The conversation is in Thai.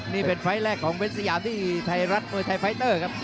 นี่เป็นไฟล์แรกของเว้นสยามที่ไทยรัฐมวยไทยไฟเตอร์ครับ